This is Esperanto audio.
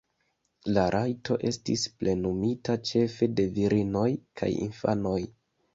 La rajto estis plenumita ĉefe de virinoj kaj infanoj.